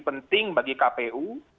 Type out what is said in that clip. penting bagi kpu